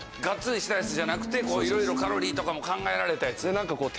ガッツリしたやつじゃなくていろいろカロリーとかも考えられたやつ。